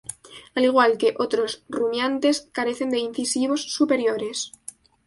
Al igual que otros rumiantes, carecen de incisivos superiores.